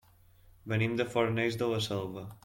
Venim de Fornells de la Selva.